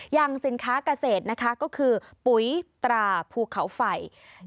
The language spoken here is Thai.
อย่างสินค้าเกษตรนะคะก็คือปุ๋ยตราภูเขาไฟ